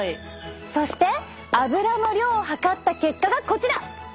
そしてアブラの量を測った結果がこちら！